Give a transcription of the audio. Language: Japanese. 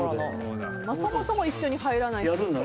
そもそも一緒に入らないと。